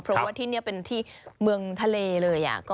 เพราะว่าที่นี่เป็นที่เมืองทะเลเลย